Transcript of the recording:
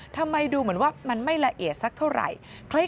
ทำไมดูเหมือนว่ามันไม่ละเอียดสักเท่าไหร่